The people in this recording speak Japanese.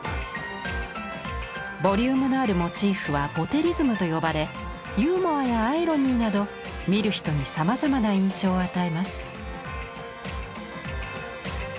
ボリュームのあるモチーフは「ボテリズム」と呼ばれユーモアやアイロニーなど見る人にさまざまな印象を与えます。